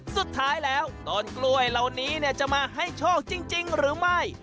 สุดท้ายแล้วต้นกล้วยเหล่านี้จะมาให้โชคจริงหรือไม่